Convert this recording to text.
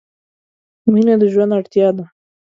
مینه د ژوند اړتیا ده.